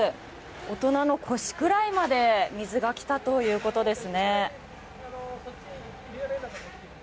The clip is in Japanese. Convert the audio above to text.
大人の腰くらいまで水が来たということです。